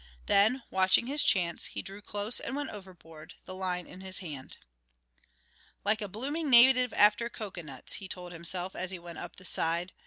Then, watching his chance, he drew close and went overboard, the line in his hand. "Like a blooming native after cocoanuts," he told himself as he went up the side.